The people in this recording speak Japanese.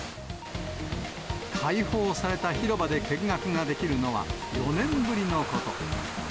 開放された広場で見学ができるのは、４年ぶりのこと。